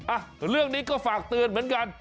อ่ะเรื่องนี้ก็ฝากเตือนเหมือนกัน